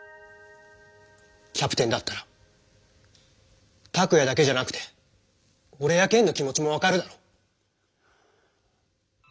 キャプテンだったらタクヤだけじゃなくておれやケンの気持ちもわかるだろ？